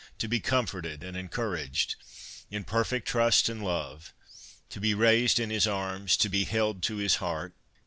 to be comforted and encouraged, in perfect trust and love, to be raised in His arms, to be held to His heart